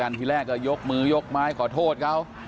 ซึ่งที่แรกได้ยกมือยกไม้ขอโทษเขา